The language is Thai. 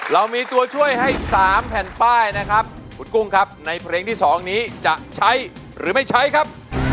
เรามีตัวช่วยให้๓แผ่นป้ายนะครับคุณกุ้งครับในเพลงที่๒นี้จะใช้หรือไม่ใช้ครับ